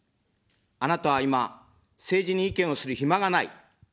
あなたは今、政治に意見をする暇がない。